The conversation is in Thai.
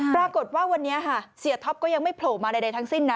ปรากฏว่าวันนี้ค่ะเสียท็อปก็ยังไม่โผล่มาใดทั้งสิ้นนะ